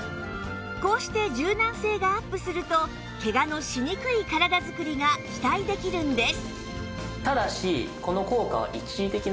こうして柔軟性がアップするとケガのしにくい体づくりが期待できるんです